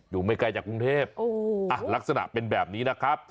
ไม่ไกลจากกรุงเทพลักษณะเป็นแบบนี้นะครับ